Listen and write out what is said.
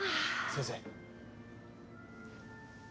先生。